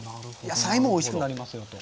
野菜もおいしくなりますよと。